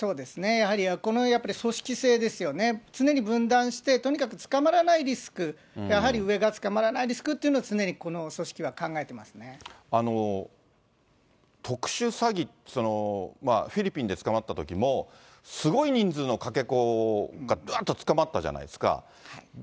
やはりこのやっぱり、組織性ですよね、常に分断して、とにかく捕まらないリスク、やはり上が捕まらないリスクということを常にこの組織は考えてま特殊詐欺、フィリピンで捕まったときも、すごい人数のかけ子がだーっと捕まったじゃないですか。